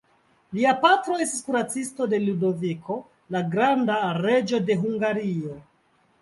Lia patro estis kuracisto de Ludoviko, la granda, reĝo de Hungario.